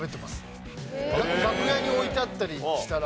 楽屋に置いてあったりしたら。